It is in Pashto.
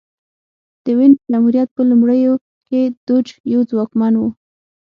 د وینز جمهوریت په لومړیو کې دوج ډېر ځواکمن و